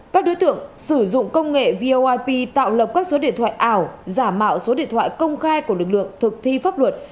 các đối tượng sử dụng công nghệ voip tạo lập các số điện thoại ảo giả mạo số điện thoại công khai của lực lượng thực thi pháp luật